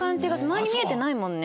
周り見えてないもんね。